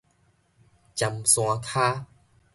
尖山跤